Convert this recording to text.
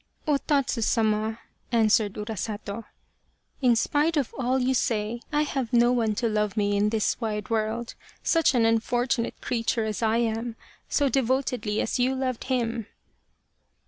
" O Tatsu Sama," answered Urasato, " in spite of all you say, I have no one to love me in this wide world, such an unfortunate creature as I am, so de votedly as you loved him."